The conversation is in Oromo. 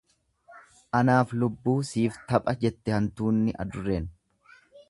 Anaaf lubbuu siif tapha jette hantuunni adurreen.